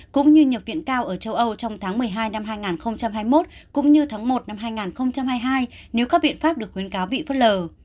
cũng như nhập viện cao ở châu âu trong tháng một mươi hai năm hai nghìn hai mươi một cũng như tháng một năm hai nghìn hai mươi hai nếu các biện pháp được khuyến cáo bị phất lờ